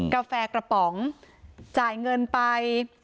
กาแฟกระป๋องจ่ายเงินไป